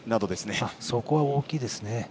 そこは大きいですね。